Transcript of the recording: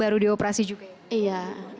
baru dioperasi juga ya